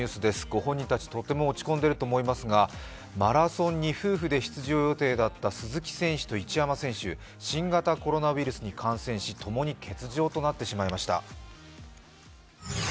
ご本人たち、とても落ち込んでいると思いますが、マラソンに夫婦で出場予定だった鈴木選手と一山選手、新型コロナウイルスに感染し共に欠場となってしまいました。